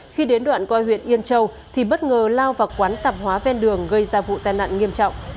khi đến đoạn coi huyện yên châu thì bất ngờ lao vào quán tạp hóa ven đường gây ra vụ tai nạn nghiêm trọng